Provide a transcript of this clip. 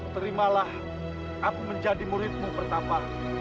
terimalah aku menjadi muridmu pertama